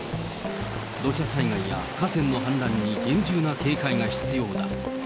土砂災害や河川の氾濫に厳重な警戒が必要だ。